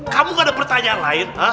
kamu gak ada pertanyaan lain